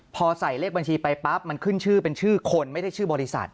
พอใส่เลขบัญชีไปปั๊บมันขึ้นชื่อเป็นชื่อคนไม่ได้ชื่อบริษัท